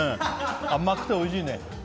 甘くておいしいね。